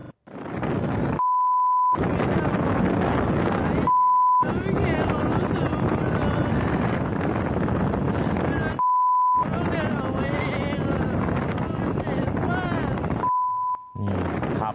แฟนต้องเดินออกไปเองต้องเตรียมมาก